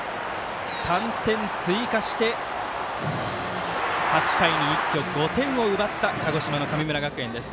３点追加して８回に一挙５点を奪った鹿児島の神村学園です。